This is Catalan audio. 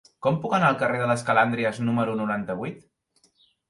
Com puc anar al carrer de les Calàndries número noranta-vuit?